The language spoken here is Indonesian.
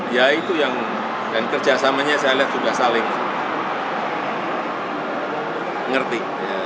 ya itu yang dan kerjasamanya saya lihat sudah saling ngerti